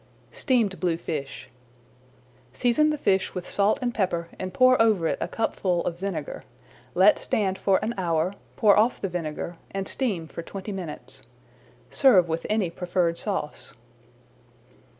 STEAMED BLUEFISH Season the fish with salt and pepper and pour over it a cupful of vinegar. Let stand for an hour, pour off the vinegar, and steam for twenty minutes. Serve with any preferred sauce.